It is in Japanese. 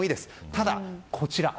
ただ、こちら。